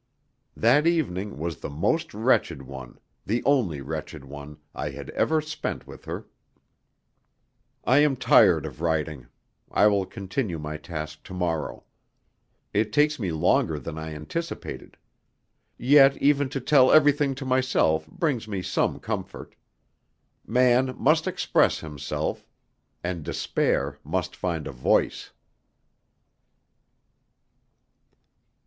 That evening was the most wretched one, the only wretched one, I had ever spent with her. I am tired of writing. I will continue my task to morrow. It takes me longer than I anticipated. Yet even to tell everything to myself brings me some comfort. Man must express himself; and despair must find a voice.